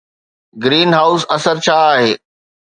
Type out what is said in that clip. Green house اثر ڇا آهي؟